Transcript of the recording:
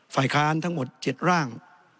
ฝ่ายค้านทั้งหมด๗ร่าง